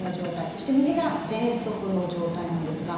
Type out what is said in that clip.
そして右がぜんそくの状態なんですが。